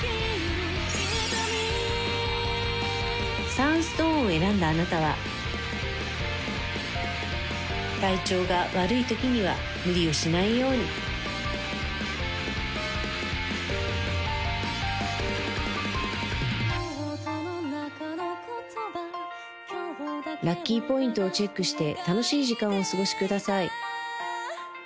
サンストーンを選んだあなたは体調が悪い時には無理をしないようにラッキーポイントをチェックして楽しい時間をお過ごしください